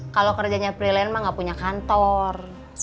kalau kerjanya freelance mbah gak punya kantor